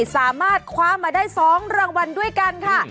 สามารถคว้ามาได้๒รางวัลด้วยกันค่ะ